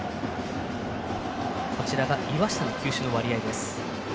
こちらが岩下の球種の割合です。